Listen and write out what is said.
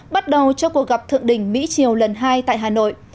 bắt đầu cho cuộc gặp thượng đỉnh mỹ triều lần hai tại hà nội